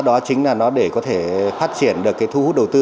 đó chính là nó để có thể phát triển được cái thu hút đầu tư